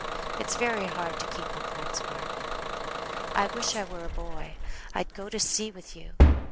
It's very hard to keep up one's heart. I wish I were a boy, I'd go to sea with you.